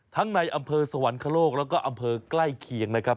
ในอำเภอสวรรคโลกแล้วก็อำเภอใกล้เคียงนะครับ